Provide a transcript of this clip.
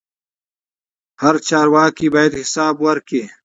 هر چارواکی باید حساب ورکړي